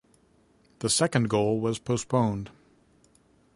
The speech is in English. The second goal was postponed.